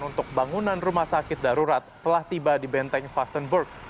untuk bangunan rumah sakit darurat telah tiba di benteng fastenburg